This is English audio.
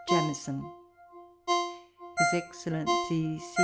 JAMIESON. His Excellency C.